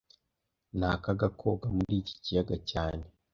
Ni akaga koga muri iki kiyaga cyane